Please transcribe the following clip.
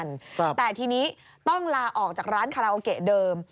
ครับแต่ทีนี้ต้องลาออกจากร้านคาราโอเกะเดิม